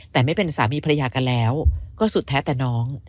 แต่ไม่เป็นสามีภรรยากันแล้วก็สุดแท้แต่น้อง